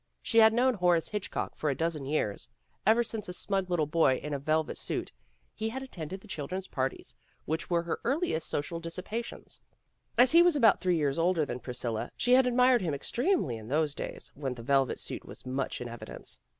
She had known Horace Hitchcock for a dozen years, ever since a smug little boy in a velvet suit, he had attended the children's parties which were her earliest social dissipations. As he was about three years older than Priscilla she had admired him extremely in those days when the velvet suit was much in evidence.